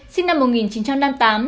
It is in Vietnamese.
sinh năm một nghìn chín trăm năm mươi tám